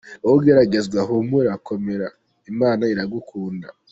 Wowe ugeragezwa, humura, komera Imana iragukunda!.